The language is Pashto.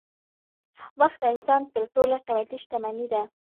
وخت د انسان تر ټولو قېمتي شتمني ده.